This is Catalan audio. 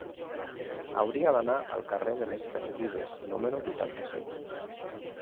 Hauria d'anar al carrer de les Penedides número vuitanta-cinc.